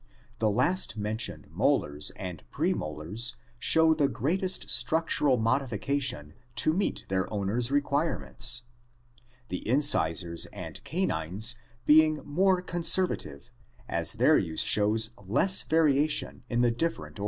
The last mentioned molars and pre molars show the greatest struc tural modification to meet their own er's requirements, the incisors and canines being more conservative, as their use shows less variation in the different or ders.